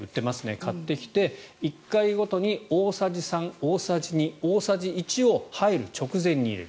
買ってきて、１回ごとに大さじ３、大さじ２、大さじ１を入る直前に入れる。